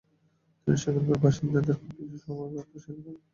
তিনি সেখানকার বাসিন্দাদেরকে কৃষি সমবায় গড়তে উৎসাহিত করেন।